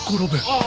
ああ！